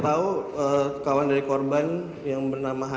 satu lagi yang saya tahu kawan dari korban yang bernama hanya